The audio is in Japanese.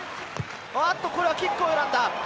これはキックを選んだ。